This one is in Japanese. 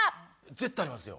絶対ありますよ。